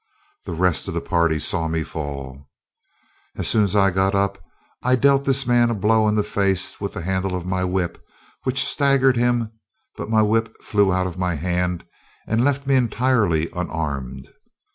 The rest of the party saw me fall. "As soon as I got up, I dealt this man a blow in the face with the handle of my whip which staggered him, but my whip flew out of my hand and left me entirely unarmed.